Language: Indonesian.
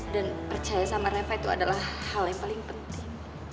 dan percaya sama reva itu adalah hal yang paling penting